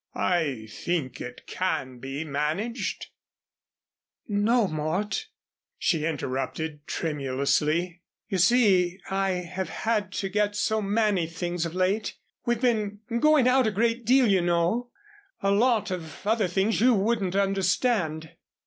I think it can be managed " "No, Mort," she interrupted, tremulously, "you see I have had to get so many things of late we've been going out a great deal you know a lot of other things you wouldn't understand."